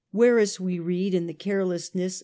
Verus, we read, in the carelessness o!